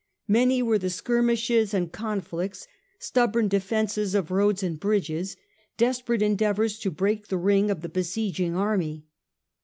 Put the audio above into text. Many were the skirmishes and conflicts, stubborn defences of roads and bridges, des perate endeavours to break the ring of the besieging army.